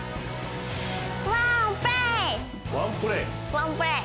ワンプレイ？